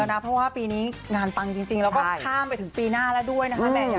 ไม่ต้องพูดใช่ไหมไม่ต้องพูดแบบนั้นเลย